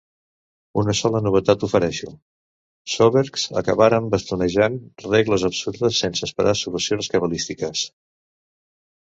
Una sola novetat ofereixo: sobergs acabarem bastonejant regles absurdes sense esperar solucions cabalístiques.